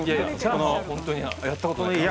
本当にやったことない。